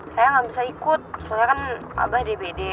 saya nggak bisa ikut soalnya kan abah di bd